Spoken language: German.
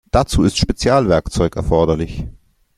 Dazu ist Spezialwerkzeug erforderlich.